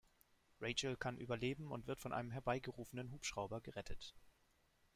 Rachel kann überleben und wird von einem herbeigerufenen Hubschrauber gerettet.